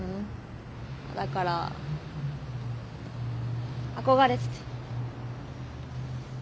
だから憧れてて。